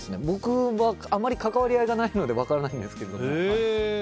僕はあまり関わり合いがないので分からないですけど。